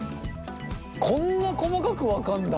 こんな細かく分かんだ。